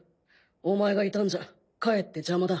お前がいたんじゃかえって邪魔だ。